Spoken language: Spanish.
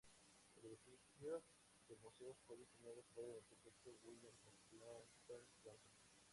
El edificio del museo fue diseñado por el arquitecto William Templeton Johnson.